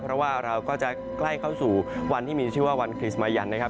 เพราะว่าเราก็จะใกล้เข้าสู่วันที่มีชื่อว่าวันคริสมายันนะครับ